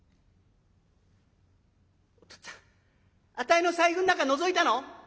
「お父っつぁんあたいの財布ん中のぞいたの？」。